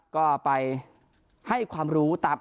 ก็ไปให้ความรู้ตาม